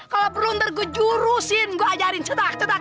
kalo perlu ntar gua jurusin gua ajarin cetak cetak